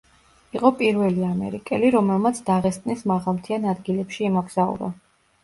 იყო პირველი ამერიკელი, რომელმაც დაღესტნის მაღალმთიან ადგილებში იმოგზაურა.